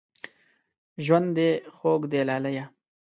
ژوند دې خوږ دی لالیه